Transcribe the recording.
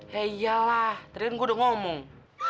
ya iyalah tadi kan gua udah ngomong